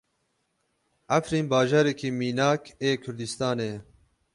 Efrîn bajarekî mînak ê Kurdistanê ye.